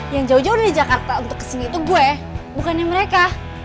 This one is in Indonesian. yang jauh jauh dari jakarta untuk kesini itu gue bukannya mereka